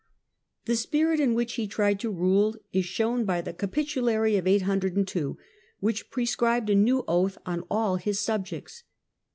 The spirit in which he tried to rule Capitulary is shown by the Capitulary of 802, which prescribed a new oath on all his subjects.